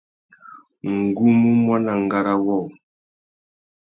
Ngu mú muaná ngárá wôō.